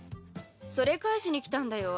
それ返しに来たんだよ